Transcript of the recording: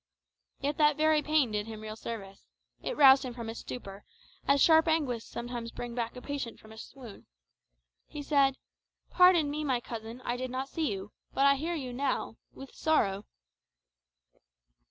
Yet that very pain did him real service. It roused him from his stupor, as sharp anguish sometimes brings back a patient from a swoon. He said, "Pardon me, my cousin, I did not see you; but I hear you now with sorrow."